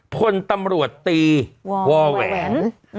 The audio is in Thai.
พลตำรวจตีวอแหวน